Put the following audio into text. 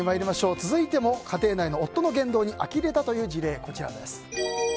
続いても家庭内の夫の言動にあきれたという事例です。